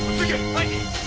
はい！